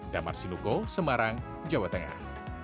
damar sinuko semarang jawa tengah